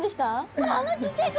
ほらあのちっちゃい子！